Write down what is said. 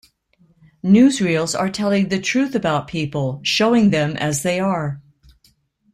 Newsreels are telling the truth about people, showing them as they are.